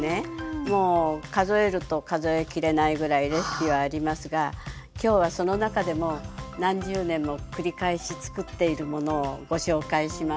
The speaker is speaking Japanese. もう数えると数え切れないぐらいレシピはありますが今日はその中でも何十年も繰り返しつくっているものをご紹介します。